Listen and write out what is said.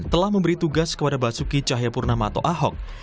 telah memberi tugas kepada basuki cahayapurnama atau ahok